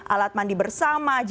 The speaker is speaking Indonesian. alat mandi bersama